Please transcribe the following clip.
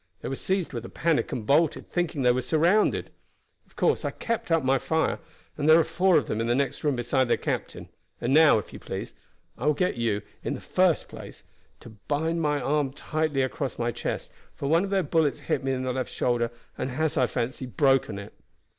They were seized with a panic and bolted, thinking they were surrounded. Of course I kept up my fire, and there are four of them in the next room besides their captain. And now, if you please, I will get you, in the first place, to bind my arm tightly across my chest, for one of their bullets hit me in the left shoulder, and has, I fancy, broken it."